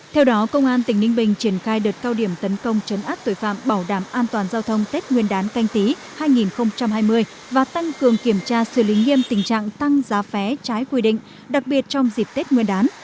theo đó công an tỉnh ninh bình triển khai đợt cao điểm tấn công chấn áp tội phạm bảo đảm an toàn giao thông tết nguyên đán canh tí hai nghìn hai mươi và tăng cường kiểm tra xử lý nghiêm tình trạng tăng giá phé trái quy định đặc biệt trong dịp tết nguyên đán